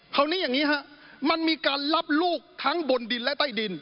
คราวนี้อย่างนี้ฮะมันมีการรับลูกทั้งบนดินและใต้ดิน